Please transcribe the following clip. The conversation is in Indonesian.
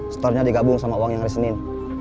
store nya digabung sama uang yang ada senin